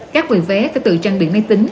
các vệ vé có tự trang bị máy tính